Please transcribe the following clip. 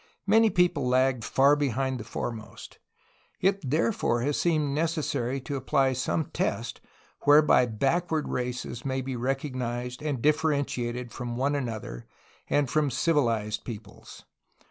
Many people lagged far behind the foremost. It therefore has seemed necessary to apply some test whereby backward races may be recognized and differentiated from one another and from civilized peo ples.